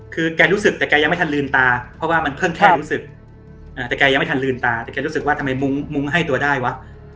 คือแกรู้สึกแต่แกยังไม่ทันลืมตาเพราะว่ามันเพิ่งแค่รู้สึกแต่แกยังไม่ทันลืมตาแต่แกรู้สึกว่าทำไมมุ้งมุ้งให้ตัวได้วะ